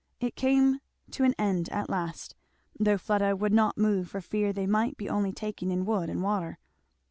It came to an end at last, though Fleda would not move for fear they might be only taking in wood and water.